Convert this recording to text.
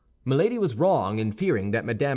Milady was wrong in fearing that Mme.